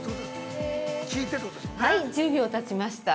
◆はい、１０秒たちました。